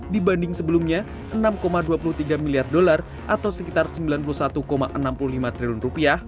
dibanding sebelumnya enam dua puluh tiga miliar dolar atau sekitar sembilan puluh satu enam puluh lima triliun rupiah